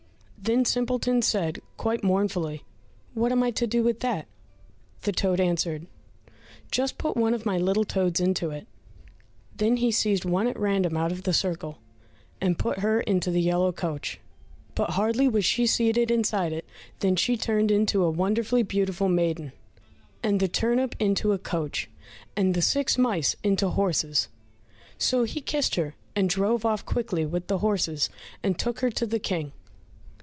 Then Simpleton said quite mournfully, "What am I to do with that?" The toad answered, "Just put one of my little toads into it." Then he seized one at random out of the circle, and put her into the yellow coach, but hardly was she seated inside it than she turned into a wonderfully beautiful maiden, and the turnip into a coach, and the six mice into horses. So he kissed her, and drove off quickly with the horses, and took her to the King.